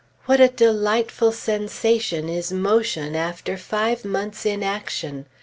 What a delightful sensation is motion, after five months' inaction!